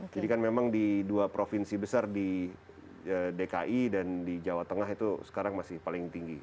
jadi kan memang di dua provinsi besar di dki dan di jawa tengah itu sekarang masih paling tinggi